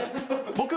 ⁉僕